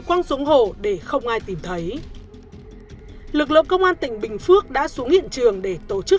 quăng xuống hồ để không ai tìm thấy lực lượng công an tỉnh bình phước đã xuống hiện trường để tổ chức